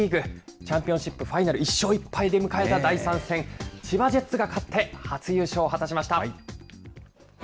チャンピオンシップファイナルは第３戦が行われ、千葉ジェッツが勝って、初優勝を果たしました。